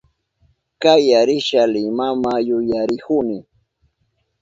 Kaya risha Limama yuyarihuni